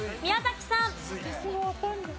宮崎さん。